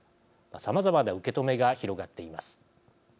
さまざまな受け止めが広がっています。